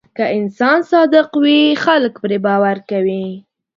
که انسان صادق وي، خلک پرې باور کوي.